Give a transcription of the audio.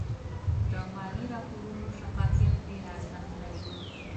د مالي راپورونو شفافیت ډېر ارزښت لري.